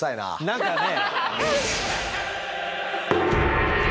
何かね。